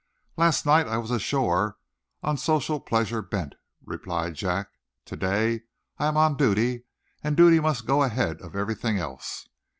"Last night I was ashore, on social pleasures bent," replied Jack. "To day, I am on duty, and duty must go ahead of everything else."